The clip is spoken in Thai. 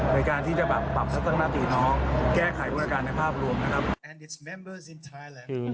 ในการที่จะปรับธุรกิจกรรมแก้ไขพลักษณ์การในภาพรวมนะครับ